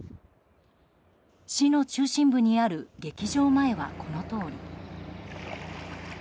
市の中心部にある劇場前はこのとおり。